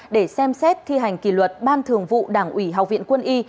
để xem xét thi hành kỷ luật ban thường vụ đảng ủy học viện quân y